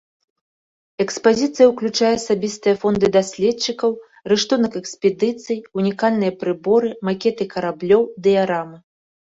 Экспазіцыя ўключае асабістыя фонды даследчыкаў, рыштунак экспедыцый, унікальныя прыборы, макеты караблёў, дыярамы.